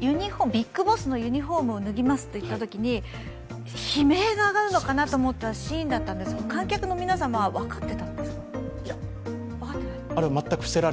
ＢＩＧＢＯＳＳのユニフォームを脱ぎますと言ったときに悲鳴が上がるのかなと思ったらシーンだったんですが、観客の皆様、分かってたのかしら。